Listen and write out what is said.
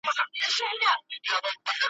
راځه جهاني بس که د غزل له سترګو اوښکي `